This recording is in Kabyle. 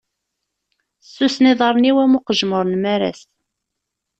Ssusen iḍaṛṛen-iw am uqejmuṛ n maras.